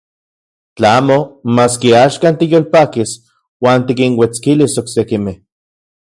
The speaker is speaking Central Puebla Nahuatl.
Tla amo, maski axkan tiyolpakis uan tikinuetskilis oksekimej.